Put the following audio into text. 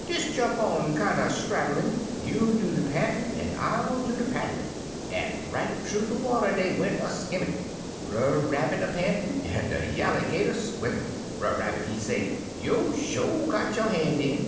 "Des jump kinder straddlin'; You do de pantin', and I'll do de paddlin'." An' right thoo de water dey went a skimmin'. Brer Rabbit a pantin', an' de Yalligater swimmin'; Brer Rabbit he say, " Yo' sho got yo' han' in.